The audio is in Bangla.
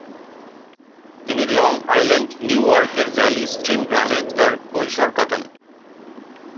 তিনি লং আইল্যান্ডে নিউ ইয়র্কের ভ্যালি স্ট্রিম গ্রামে তার কৈশোর কাটান।